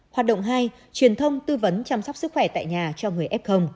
hoạt động hai truyền thông tư vấn chăm sóc sức khỏe tại nhà cho người f